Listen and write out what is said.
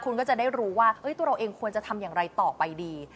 คุณก็จะได้รู้ว่าตัวเราเองควรจะทำอย่างไรต่อไปดี